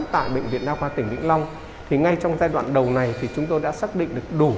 tại bệnh viện đa khoa tỉnh vĩnh long thì ngay trong giai đoạn đầu này thì chúng tôi đã xác định được đủ